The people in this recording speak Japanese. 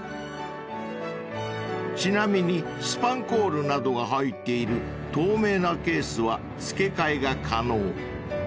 ［ちなみにスパンコールなどが入っている透明なケースは付け替えが可能］